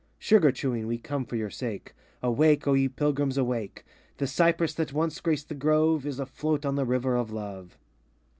Sugar chewing we come for your sake; Awake, O ye Pilgrims, awake! The cypress that once graced the grove, Is a float on the river of Love.